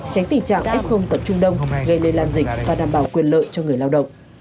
tránh tình trạng f tập trung đông gây lây lan dịch và đảm bảo quyền lợi cho người lao động